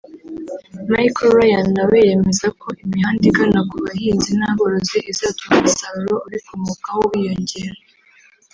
Michael Ryan nawe yemeza ko imihanda igana ku bahinzi n’aborozi izatuma umusaruro ubikomokaho wiyongera